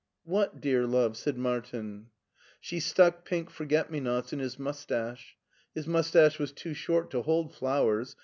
" What, dear love? " said Martin. She stuck pink forget me nots in his mustache. His mustache was too short to hold flowers.